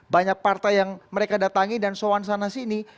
banyak partai yang mereka datangi dan soan sana sini